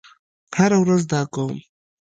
هره ورځ دا کوم